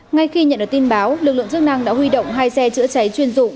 ngay khi nhận được tin báo lực lượng chức năng đã huy động hai xe chữa cháy chuyên dụng